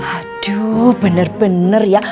aduh bener bener ya